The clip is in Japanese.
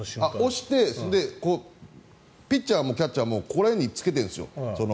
押してピッチャーもキャッチャーもここら辺に着けているんですよ。